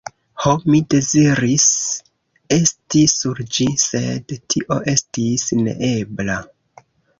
Ho! mi deziris esti sur ĝi, sed tio estis neebla.